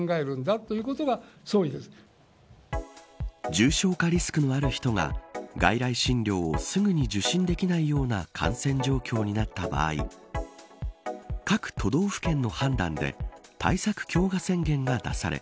重症化リスクのある人が外来診療をすぐに受診できないような感染状況になった場合各都道府県の判断で対策強化宣言が出され